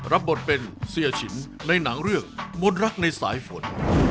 รับบทเป็นเสียฉินในหนังเรื่องมนต์รักในสายฝน